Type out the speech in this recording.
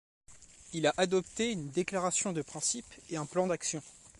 Il a adopté une déclaration de principes et un plan d'action.